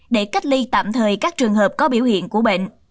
để cách ly tạm thời các trường hợp có biểu hiện của bệnh